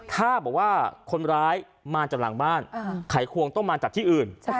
ถ้าบอกว่าคนร้ายมาจากหลังบ้านไขควงต้องมาจากที่อื่น